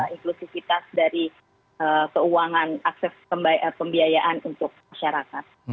inklusivitas dari keuangan akses pembiayaan untuk masyarakat